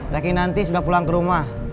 tapi nanti sudah pulang ke rumah